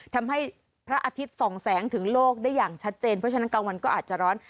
ทำให้พระอาทิตย์ส่องแสงถึงโลกได้อย่างชัดเจนเพราะฉะนั้นกลางวันก็อาจจะร้อน